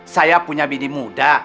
saya punya bini muda